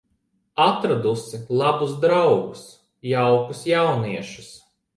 Atradusi labus draugus, jaukus jauniešus.